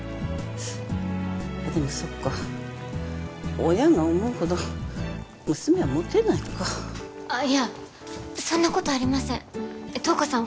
あでもそっか親が思うほど娘はモテないかあいやそんなことありません瞳子さん